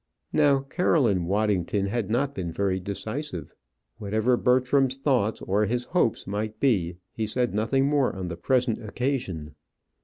Now Caroline Waddington had not been very decisive. Whatever Bertram's thoughts or his hopes might be, he said nothing more on the present occasion.